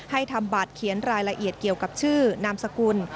ทำบัตรเขียนรายละเอียดเกี่ยวกับชื่อนามสกุล